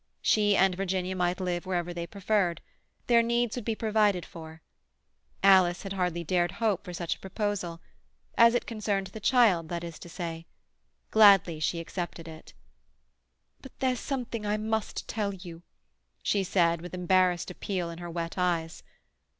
She and Virginia might live wherever they preferred; their needs would be provided for. Alice had hardly dared to hope for such a proposal—as it concerned the child, that is to say. Gladly she accepted it. "But there's something I must tell you," she said, with embarrassed appeal in her wet eyes.